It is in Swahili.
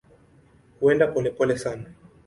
Huenda polepole sana.